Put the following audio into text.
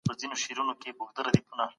مشرانو به د هیواد د دفاع لپاره پلانونه جوړول.